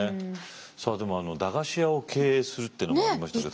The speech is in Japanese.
さあでも駄菓子屋を経営するっていうのもありましたけども。